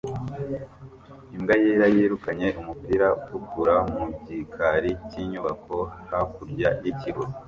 Imbwa yera yirukanye umupira utukura mu gikari cyinyubako hakurya yikigo